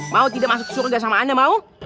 mau tidak masuk ke surga sama ana mau